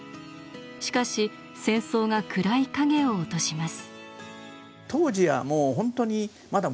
しかし戦争が暗い影を落とします。